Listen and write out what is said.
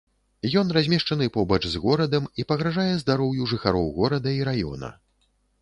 Ён размешчаны побач з горадам і пагражае здароўю жыхароў горада і раёна.